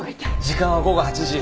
時間は午後８時。